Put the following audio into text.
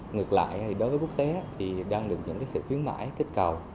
ngược lại đối với quốc tế thì đang được những sự khuyến mãi kích cầu